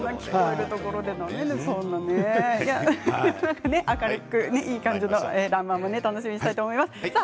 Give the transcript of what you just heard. そんなね明るくいい感じの「らんまん」も楽しみにしたいと思います。